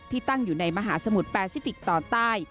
ตั้งอยู่ในมหาสมุทรแปซิฟิกตอนใต้